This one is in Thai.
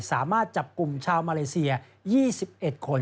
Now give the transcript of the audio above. สามารถจับกลุ่มชาวมาเลเซีย๒๑คน